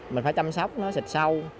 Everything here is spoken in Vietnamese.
mình phải chăm sóc nó xịt sâu